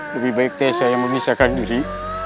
lebih baik teh saya memisahkan diri